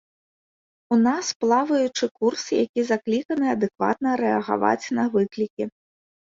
У нас плаваючы курс, які закліканы адэкватна рэагаваць на выклікі.